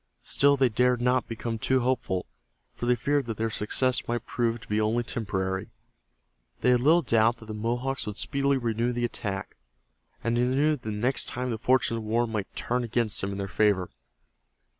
Still they dared not become too hopeful, for they feared that their success might prove to be only temporary. They had little doubt that the Mohawks would speedily renew the attack, and they knew that next time the fortunes of war might again turn in their favor.